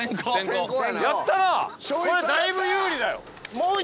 ・やったなこれだいぶ有利だよ